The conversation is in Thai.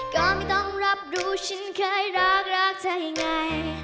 ก็ไม่ต้องรับรู้ฉันเคยรักรักใช่ไง